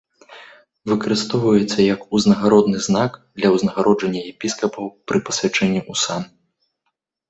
Выкарыстоўваецца як узнагародны знак для ўзнагароджання епіскапаў пры пасвячэнні ў сан.